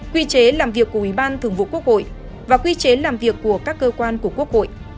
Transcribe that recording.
quy chế làm việc của ủy ban thường vụ quốc hội và quy chế làm việc của các cơ quan của quốc hội